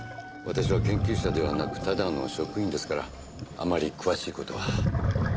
私は研究者ではなくただの職員ですからあまり詳しい事は。